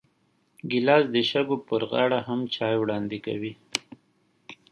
ګیلاس د شګو پر غاړه هم چای وړاندې کوي.